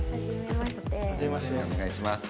お願いします。